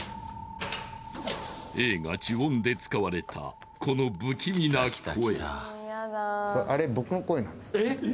映画「呪怨」で使われたこの不気味な声